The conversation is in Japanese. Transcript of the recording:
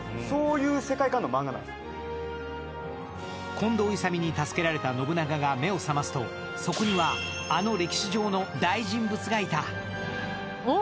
近藤勇に助けられた信長が目を覚ますと、そこには、あの歴史上の大人物がいた。